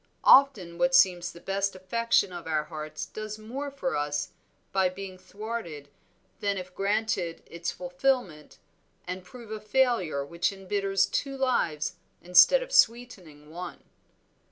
Often what seems the best affection of our hearts does more for us by being thwarted than if granted its fulfilment and prove a failure which embitters two lives instead of sweetening one."